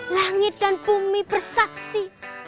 langit dan bumi bersaksi